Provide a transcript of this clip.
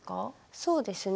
そうですね。